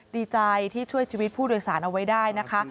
ดีใจที่ช่วยชีวิตผู้โดยสารเอาไว้ได้นะคะ